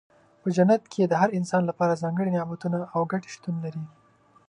په جنت کې د هر انسان لپاره ځانګړي نعمتونه او ګټې شتون لري.